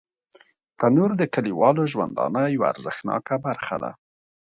تنور د کلیوالو ژوندانه یوه ارزښتناکه برخه ده